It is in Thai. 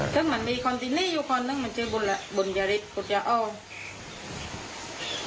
ถึงมันมีคนที่นี่อยู่คนนั้นมันเจอบุญยาฤทธิ์คุณเจอโอ๊ย